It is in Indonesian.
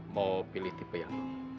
mau pilih tipe yang